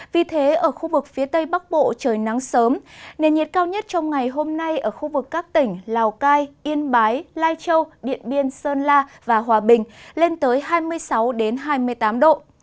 vì thế ở khu vực phía tây bắc bộ trời nắng sớm nền nhiệt cao nhất trong ngày hôm nay ở khu vực các tỉnh lào cai yên bái lai châu điện biên sơn la và hòa bình lên tới hai mươi sáu hai mươi tám độ